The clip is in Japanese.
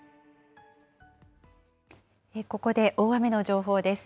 こここで大雨の情報です。